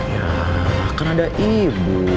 ya kan ada ibu